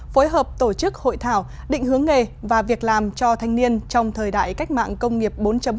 phối hợp tổ chức hội thảo định hướng nghề và việc làm cho thanh niên trong thời đại cách mạng công nghiệp bốn